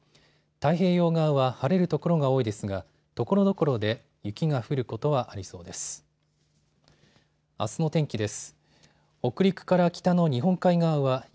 太平洋側は晴れる所が多いですがところどころで雪が降ることはありそうです。